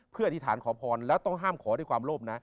เพื่ออธิษฐานขอพรแล้วต้องห้ามขอด้วยความโลภนะ